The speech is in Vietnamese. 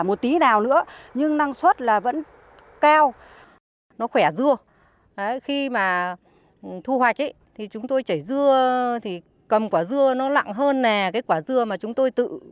một tí nào nữa nhưng năng suất vẫn cao